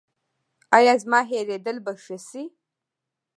ایا زما هیریدل به ښه شي؟